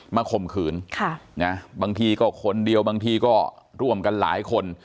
ข่มขืนบางทีก็คนเดียวบางทีก็ร่วมกันหลายคน